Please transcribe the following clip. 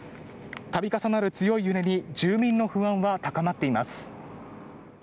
度重なる強い揺れに住民の不安は高まっています。